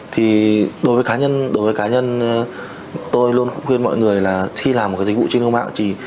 thì đối với cá nhân tôi luôn khuyên mọi người là khi làm một cái dịch vụ trên không gian mạng